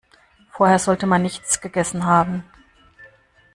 Vorher sollte man nichts gegessen haben.